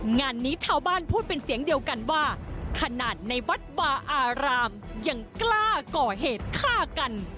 งานนี้ชาวบ้านพูดเป็นเสียงเดียวกันว่าขนาดในวัดบาอารามยังกล้าก่อเหตุฆ่ากัน